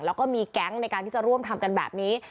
แล้วก็มีแก๊งในการที่จะร่วมทำกันแบบนี้